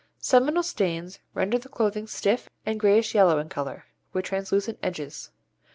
Seminal stains render the clothing stiff and greyish yellow in colour, with translucent edges.